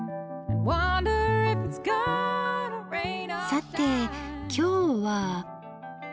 さて今日は？